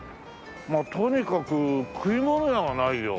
とにかく食い物屋がないよ。